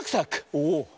おお！